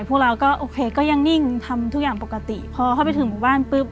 พวกเราก็โอเคก็ยังนิ่งทำทุกอย่างปกติพอเข้าไปถึงหมู่บ้านปุ๊บ